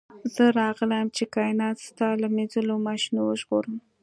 زه راغلی یم چې کائنات ستا له مینځلو ماشینونو وژغورم